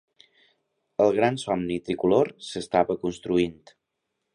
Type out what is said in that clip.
El gran somni tricolor s'estava construint.